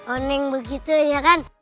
oneng begitu ya kan